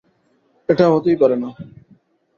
এটা হতেই পারে না!